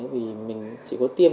vì mình chỉ có tiêm